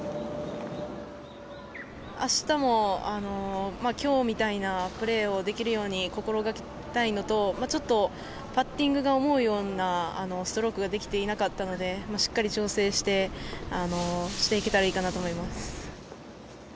あしたも今日みたいなプレーをできるように心掛けたいのとパッティングが思うようなストロークができていなかったのでしっかり調整していけたらいいかなと思います。